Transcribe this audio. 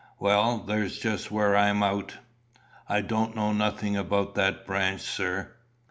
"Well, there's just where I'm out. I don't know nothing about that branch, sir."